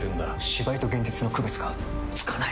芝居と現実の区別がつかない！